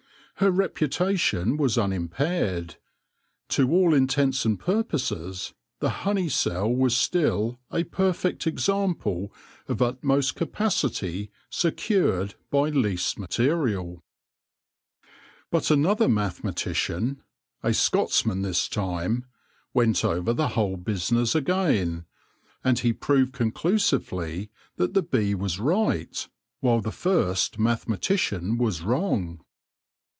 Her reputation was unimpaired : to all intents and purposes the honey cell was still a perfect example of utmost capacity secured by least material. 146 THE LORE OF THE HONEY BEE But another mathematician — a Scotsman this time — went over the whole business again and he proved conclusively that the bee was right, while the first mathematician was wrong.